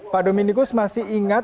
pak dominikus masih ingat